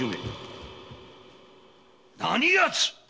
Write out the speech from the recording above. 何やつ！